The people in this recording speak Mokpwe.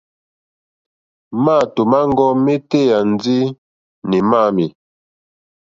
Máàtò mâŋɡɔ́ mátéyà ndí né máǃámɛ̀.